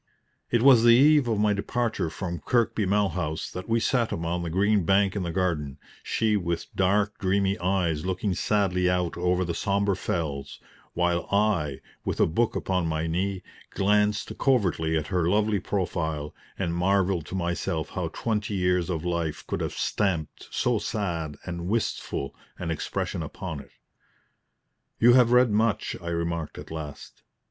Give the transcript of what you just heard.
It was the eve of my departure from Kirkby Malhouse that we sat upon the green bank in the garden, she with dark dreamy eyes looking sadly out over the sombre fells; while I, with a book upon my knee, glanced covertly at her lovely profile and marvelled to myself how twenty years of life could have stamped so sad and wistful an expression upon it. "You have read much," I remarked at last.